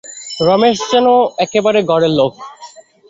রমেশ যেন একেবারে ঘরের লোক।